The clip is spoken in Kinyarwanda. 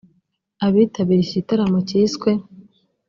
Abitabiriye iki gitaramo cyiswe �